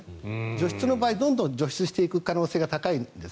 除湿の場合はどんどん除湿していく可能性が高いんです。